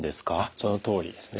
そのとおりですね。